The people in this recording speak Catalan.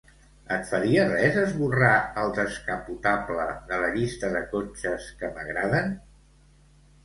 Et faria res esborrar el descapotable de la llista de cotxes que m'agraden?